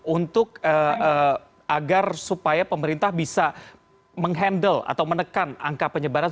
untuk agar supaya pemerintah bisa menghandle atau menekan angka penyebaran